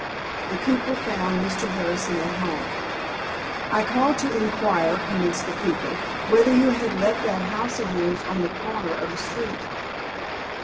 The cooper found Mr. Harrison at home. "I called to inquire," commenced the cooper, "whether you had let that house of yours on the corner of the street."